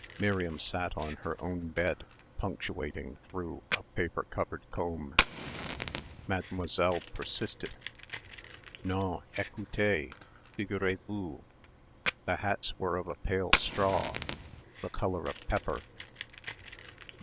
Miriam sat on her own bed punctuating through a paper covered comb.... Mademoiselle persisted ... non, écoutez figurez vous the hats were of a pale straw ... the colour of pepper